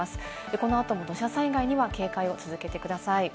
このあとも土砂災害には警戒を続けてください。